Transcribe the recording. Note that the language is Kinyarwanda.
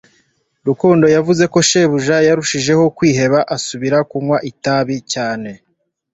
Rukundo yavuze ko shebuja yarushijeho kwiheba asubira kunywa itabi cyane